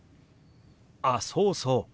あっそうそう。